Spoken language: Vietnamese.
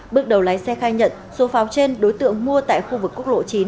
bước đầu lái xe khai nhận số pháo trên đối tượng mua tại khu vực quốc lộ chín